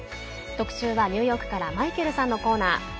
特集はニューヨークからマイケルさんのコーナー。